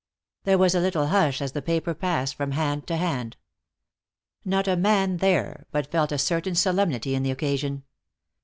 There was a little hush as the paper passed from hand to hand. Not a man there but felt a certain solemnity in the occasion.